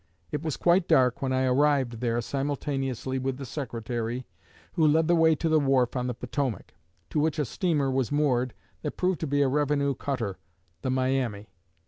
It was quite dark when I arrived there simultaneously with the Secretary, who led the way to the wharf on the Potomac, to which a steamer was moored that proved to be a revenue cutter, the 'Miami.'